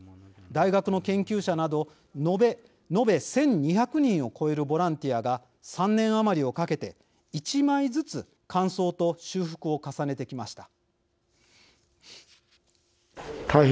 大学の研究者など延べ１２００人を超えるボランティアが３年余りをかけて、１枚ずつ乾燥と修復を重ねてきました。